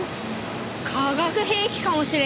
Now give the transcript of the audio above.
化学兵器かもしれねえな。